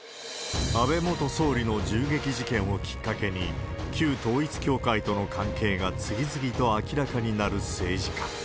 安倍元総理の銃撃事件をきっかけに、旧統一教会との関係が次々と明らかになる政治家。